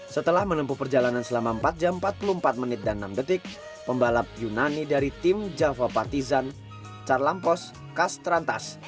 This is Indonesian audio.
setelah menempuh perjalanan selama empat jam empat puluh empat menit dan enam detik pembalap yunani dari tim java patizan charlam pos kastrantas